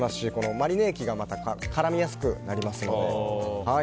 マリネ液がまた絡みやすくなりますので。